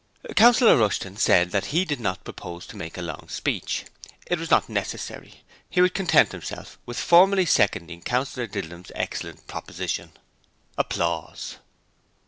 Councillor Rushton said that he did not propose to make a long speech it was not necessary. He would content himself with formally seconding Councillor Didlum's excellent proposition.